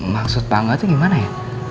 maksud pa engga itu gimana ya